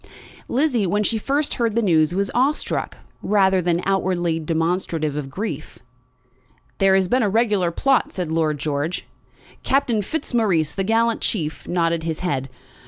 Lizzie, when she first heard the news, was awe struck, rather than outwardly demonstrative of grief. "There has been a regular plot," said Lord George. Captain Fitzmaurice, the gallant chief, nodded his head.